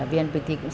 vnpt cũng sẵn sàng